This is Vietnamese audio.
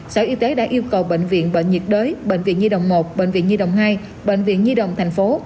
sở y tế đã yêu cầu bệnh viện bệnh nhiệt đới bệnh viện nhi đồng một bệnh viện nhi đồng hai bệnh viện nhi đồng tp